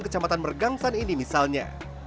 kecamatan mergangsan ini misalnya